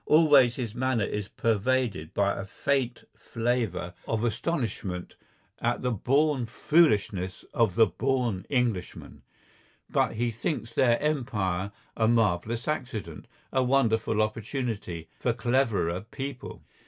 Always his manner is pervaded by a faint flavour of astonishment at the born foolishness of the born Englishmen. But he thinks their Empire a marvellous accident, a wonderful opportunity—for cleverer people.